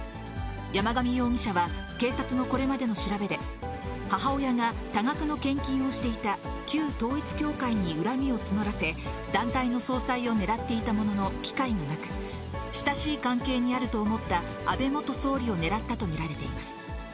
山上容疑者は、警察のこれまでの調べで、母親が多額の献金をしていた旧統一教会に恨みを募らせ、団体の総裁を狙っていたものの、機会がなく、親しい関係にあると思った安倍元総理を狙ったと見られています。